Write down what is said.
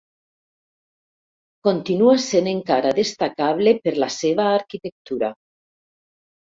Continua sent encara destacable per la seva arquitectura.